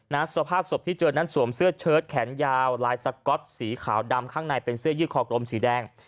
สภาพศพที่เจอนั้นสวมเสื้อเชิดแขนยาวลายสก๊อตสีขาวดำข้างในเป็นเสื้อยืดคอกลมสีแดง